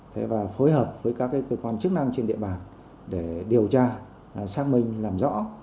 thế và phối hợp với các cơ quan chức năng trên địa bàn để điều tra xác minh làm rõ